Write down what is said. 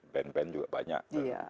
band band juga banyak